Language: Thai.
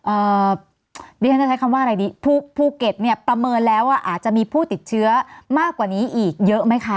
ดิฉันจะใช้คำว่าอะไรดีผู้ภูเก็ตเนี่ยประเมินแล้วว่าอาจจะมีผู้ติดเชื้อมากกว่านี้อีกเยอะไหมคะ